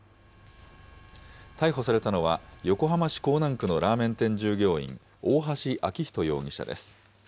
逮捕されたのは、横浜市港南区のラーメン店従業員、大橋昭仁容疑者です。